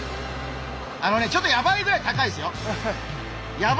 あのねちょっとやばいぐらい高いですよ！